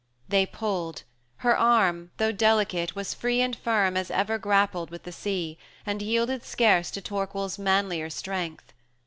They pulled; her arm, though delicate, was free And firm as ever grappled with the sea, And yielded scarce to Torquil's manlier strength.